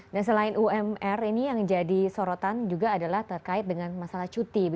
dan selain umr ini yang jadi sorotan juga adalah terkait dengan masalah cuti